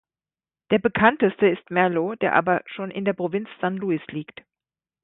Der bekannteste ist Merlo, der aber schon in der Provinz San Luis liegt.